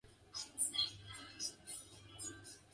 M. in social ethics.